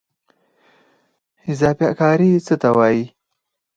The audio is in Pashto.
اضافه کاري څه ته وایي؟